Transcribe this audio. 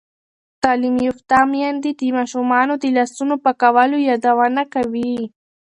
تعلیم یافته میندې د ماشومانو د لاسونو پاکولو یادونه کوي.